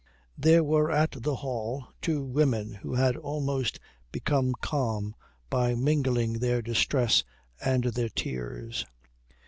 There were at the Hall two women who had almost become calm by mingling their distress and their tears.